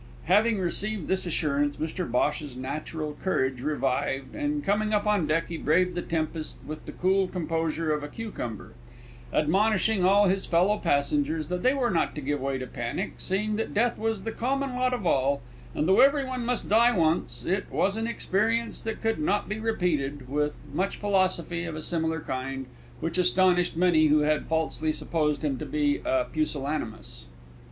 Having received this assurance, Mr Bhosh's natural courage revived, and, coming up on deck, he braved the tempest with the cool composure of a cucumber, admonishing all his fellow passengers that they were not to give way to panic, seeing that Death was the common lot of all, and, though everyone must die once, it was an experience that could not be repeated, with much philosophy of a similar kind which astonished many who had falsely supposed him to be a pusillanimous.